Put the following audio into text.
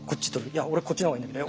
「いや俺こっちの方がいいんだけど」